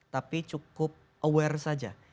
tapi cukup aware saja